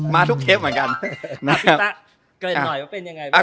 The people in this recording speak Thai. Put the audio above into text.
มาทุกเทปเหมือนกันนะครับเกินหน่อยว่าเป็นยังไง